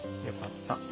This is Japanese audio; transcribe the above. よかった。